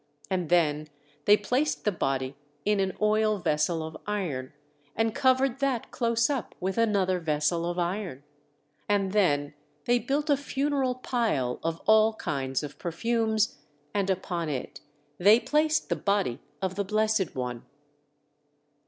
And then they placed the body in an oil vessel of iron, and covered that close up with another vessel of iron. And then they built a funeral pile of all kinds of perfumes, and upon it they placed the body of the Blessed One.